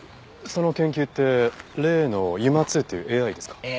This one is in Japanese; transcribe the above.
その研究って例のＵＭＡ−ⅡっていうＡＩですか？